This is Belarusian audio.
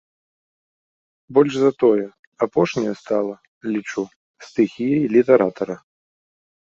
Больш за тое, апошняя стала, лічу, стыхіяй літаратара.